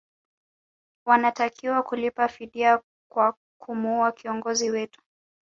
wanatakiwa kulipa fidia kwa kumua kiongozi wetu